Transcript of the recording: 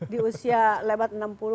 di usia lewat enam puluh